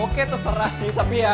oke terserah sih tapi ya